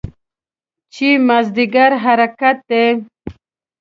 چې مازدیګر حرکت دی.